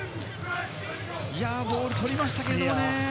ボール取りましたけれどもね。